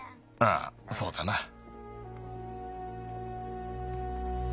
ああそうだな。